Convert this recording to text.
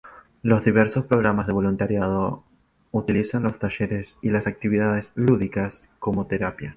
Los diversos programas de voluntariado utilizan los talleres y las actividades lúdicas como terapia.